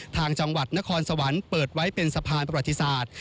ทางจังหวัดนครสวรรค์เปิดไว้เป็นสะพานประวัติศาสตร์